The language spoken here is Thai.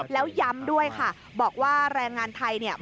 แล้วย้ำด้วยค่ะบอกว่าแรงงานไทยเนี่ย